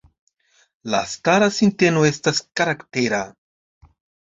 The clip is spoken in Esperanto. La stara sinteno estas karaktera.